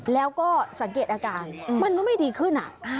แล้วก็สังเกตอาการมันก็ไม่ดีขึ้น